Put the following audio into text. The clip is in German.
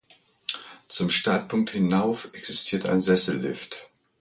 Zum Startpunkt hinauf existiert ein Sessellift.